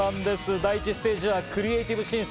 第１ステージはクリエーティブ審査。